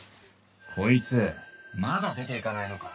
こいつまだ出ていかないのか？